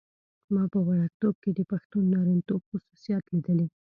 ما په وړکتوب کې د پښتون نارینتوب خصوصیات لیدلي.